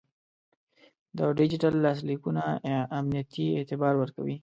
د ډیجیټل لاسلیکونه امنیتي اعتبار ورکوي.